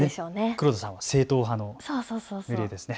黒田さんは正統派の塗り絵ですね。